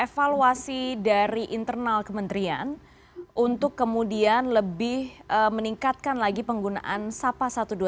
evaluasi dari internal kementerian untuk kemudian lebih meningkatkan lagi penggunaan sapa satu ratus dua puluh